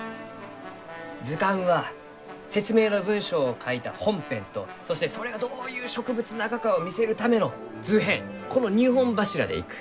図鑑は説明の文章を書いた本編とそしてそれがどういう植物ながかを見せるための図編この２本柱でいく。